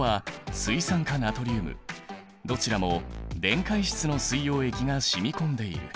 どちらも電解質の水溶液が染み込んでいる。